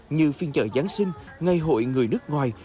như phiên chợ giáng sinh ngày hội người nước ngoài